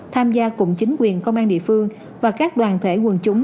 tham gia cùng chính quyền công an địa phương và các đoàn thể quần chúng